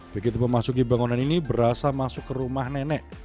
begitu memasuki bangunan ini berasa masuk ke rumah nenek